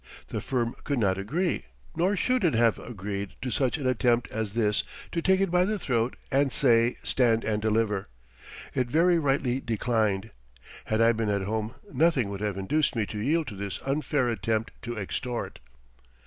The firm could not agree, nor should it have agreed to such an attempt as this to take it by the throat and say, "Stand and deliver." It very rightly declined. Had I been at home nothing would have induced me to yield to this unfair attempt to extort.